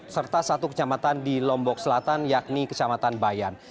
serta satu kecamatan di lombok selatan yakni kecamatan bayan